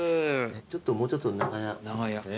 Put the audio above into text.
ちょっともうちょっと長屋。